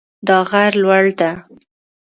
دا غر لوړ ده